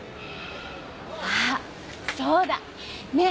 あそうだねえ